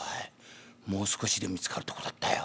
もう少しで見つかるとこだったよ。